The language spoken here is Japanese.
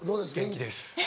元気です。